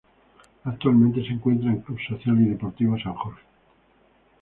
Actualmente se encuentra en Club Social y Deportivo San Jorge.